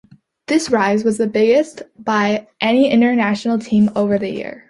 This rise was the biggest by any international team over the year.